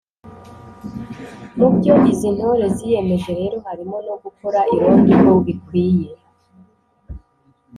Mu byo izi ntore ziyemeje rero harimo no gukora irondo uko bikwiye